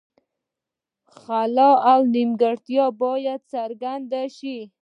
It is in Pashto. خل او نیمګړتیاوې باید څرګندې شي.